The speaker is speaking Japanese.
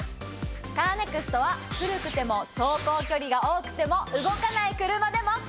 カーネクストは古くても走行距離が多くても動かない車でも。